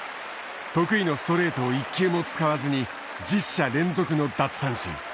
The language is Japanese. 得意のストレートを一球も使わずに１０者連続の奪三振。